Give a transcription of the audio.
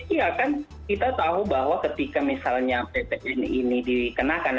iya kan kita tahu bahwa ketika misalnya ppn ini dikenakan